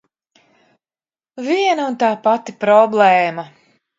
Viena un tā pati problēma!